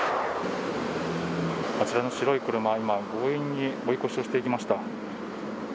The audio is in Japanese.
あちらの白い車、今強引に追い越しをしてきました。